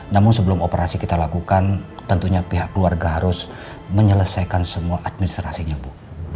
namun sebelum operasi kita lakukan tentunya pihak keluarga harus menyelesaikan semua administrasinya bu